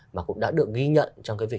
mà cũng đã được ghi nhận trong cái việc